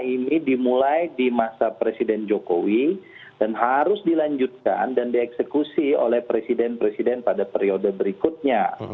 ini dimulai di masa presiden jokowi dan harus dilanjutkan dan dieksekusi oleh presiden presiden pada periode berikutnya